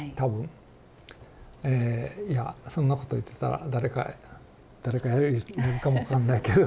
えいやそんなこと言ってたら誰か誰かやれる人いるかも分かんないけど。